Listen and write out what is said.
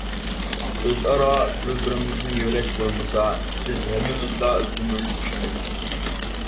ئۆز ئارا بىر-بىرىمىزنى يۆلەش بولمىسا، بىز ھەممىمىزلا گۈمۈرۈلۈپ چۈشىمىز.